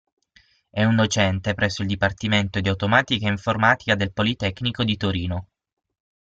È un docente presso il Dipartimento di Automatica e Informatica del Politecnico di Torino.